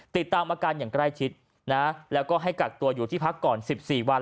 ติดตามอาการอย่างใกล้ชิดนะแล้วก็ให้กักตัวอยู่ที่พักก่อน๑๔วัน